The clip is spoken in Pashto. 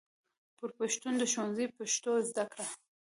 بر پښتون د ښوونځي پښتو زده کوي.